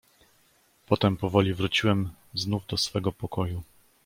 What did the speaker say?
"Potem powoli wróciłem znów do swego pokoju."